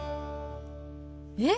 えっ！